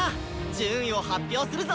順位を発表するぞ！